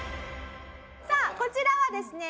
さあこちらはですね